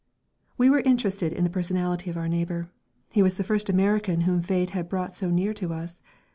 We were interested in the personality of our neighbour. He was the first American whom fate had brought so near to us.